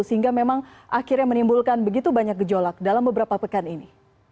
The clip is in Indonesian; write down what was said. sehingga memang akhirnya menimbulkan begitu banyak gejolak dalam beberapa pekan ini